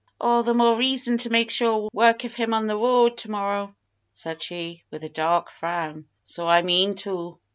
"All the more reason to make sure work of him on the road to morrow!" said she, with a dark frown. "So I mean to!"